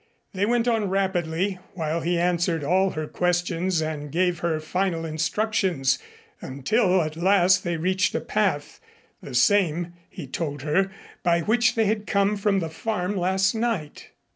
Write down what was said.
They went on rapidly, while he answered all her questions and gave her final instructions, until at last they reached a path, the same, he told her, by which they had come from the farm last night.